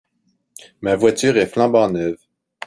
ma voiture est flambant neuve.